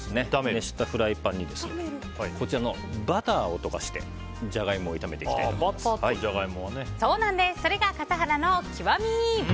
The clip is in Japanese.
熱したフライパンにバターを溶かしてジャガイモをそれが笠原の極み。